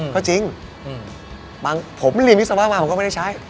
ก็จริงบางผมเรียนวิศวะมาผมก็ไม่ได้ใช้